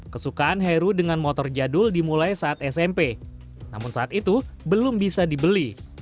kesukaan heru dengan motor jadul dimulai saat smp namun saat itu belum bisa dibeli